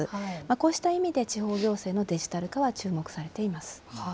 こうした意味で地方行政のデジタル化は注目されています。